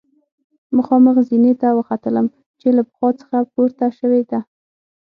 مخامخ زینې ته وختلم چې له پخوا څخه پورته شوې ده.